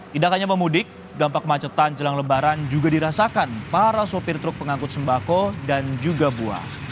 tidak hanya pemudik dampak kemacetan jelang lebaran juga dirasakan para sopir truk pengangkut sembako dan juga buah